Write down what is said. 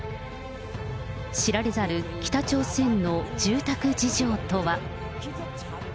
知られざる北朝鮮の住宅事情とは。